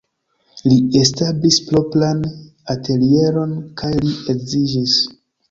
Li establis propran atelieron kaj li edziĝis.